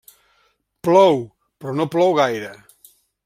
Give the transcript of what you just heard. Plou, però no plou gaire.